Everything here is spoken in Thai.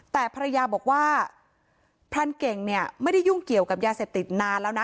แต่ภรรยาบอกว่าพรานเก่งเนี่ยไม่ได้ยุ่งเกี่ยวกับยาเสพติดนานแล้วนะ